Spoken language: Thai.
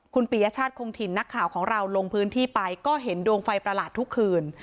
คุณปียชาติคงถิ่นนักข่าวของเราลงพื้นที่ไปก็เห็นดวงไฟประหลาดทุกคืน